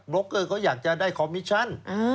บรูกเกอร์ก็อยากได้คอมมิชชั่น